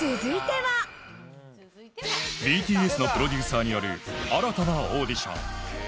ＢＴＳのプロデューサーによる新たなオーディション。